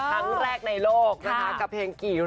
ครั้งแรกในโลกกับเพลงกี่รอบก็ได้